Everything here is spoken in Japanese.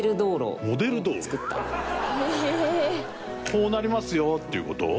こうなりますよっていう事？